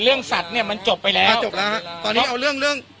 สัตว์เนี้ยมันจบไปแล้วมาจบแล้วฮะตอนนี้เอาเรื่องเรื่อง